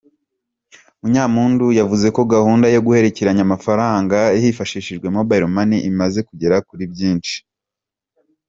Munyampundu yavuze ko gahunda yo guhererekanya amafaranga hifashishijwe Mobile Money imaze kugera kuri byinshi.